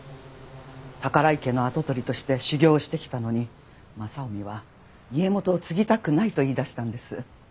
宝居家の跡取りとして修行してきたのに雅臣は家元を継ぎたくないと言いだしたんです。